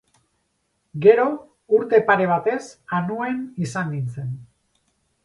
Gero, urte pare batez Anuen izan nintzen.